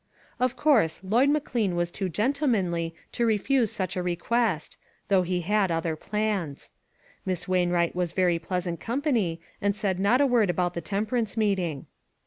Of course, Lloyd McLean was too gentle manly to refuse such a request, though he had other plans. Miss Wainwright was very pleasant company, and said not a word about the temperance meeting.